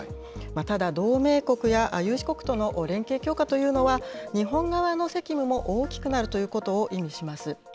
ただ、同盟国や有志国との連携強化というのは、日本側の責務も大きくなるということを意味します。